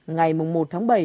ngày một tháng bảy